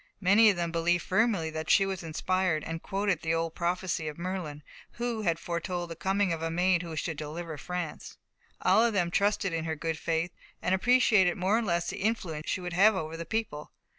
Many of them believed firmly that she was inspired, and quoted the old prophecy of Merlin, who had foretold the coming of a maid who should deliver France. All of them trusted in her good faith, and appreciated more or less the influence she would have over the people.